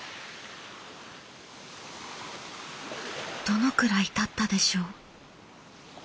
どのくらいたったでしょう。